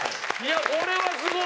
これはすごい。